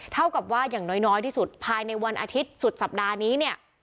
เท่ากับว่าอย่างน้อยที่สุดภายในวันอาทิตย์สุดสัปดาห์นี้เนี่ย